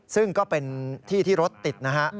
ซึ่งก็เป็นที่ที่รถติดนะฮะ